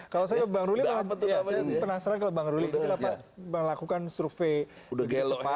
kalau saya bang ruli penasaran kalau bang ruli ini lakukan survei cepat